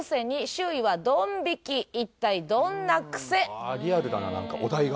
うわーリアルだななんかお題が。